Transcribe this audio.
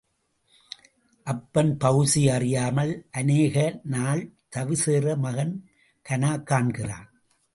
அப்பன் பவிசு அறியாமல் அநேக நாள் தவிசேற மகன் கனாக் காண்கிறான்.